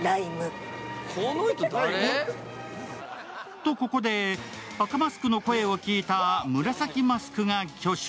と、ここで赤マスクの声を聞いた紫マスクが挙手。